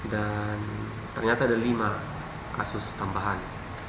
dan ternyata ada lima kasus tambahan